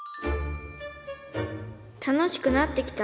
楽しくなってきた？